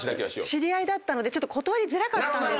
知り合いだったのでちょっと断りづらかったんですよね。